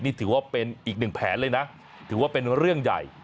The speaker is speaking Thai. นี่ถือว่าเป็นอีกหนึ่งแผนเลยนะถือว่าเป็นเรื่องใหญ่